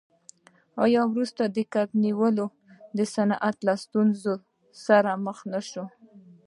آیا وروسته د کب نیولو صنعت له ستونزو سره مخ نشو؟